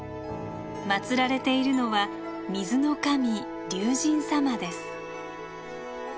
まつられているのは水の神龍神様です。